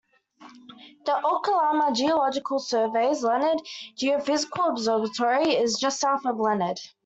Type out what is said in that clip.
The Oklahoma Geological Survey's Leonard Geophysical Observatory is just south of Leonard.